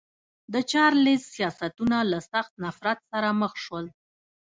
د چارلېز سیاستونه له سخت نفرت سره مخ شول.